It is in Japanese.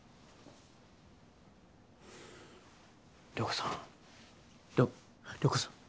涼子さんりょ涼子さん。